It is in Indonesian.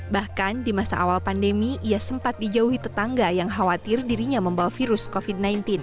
bahkan di masa awal pandemi ia sempat dijauhi tetangga yang khawatir dirinya membawa virus covid sembilan belas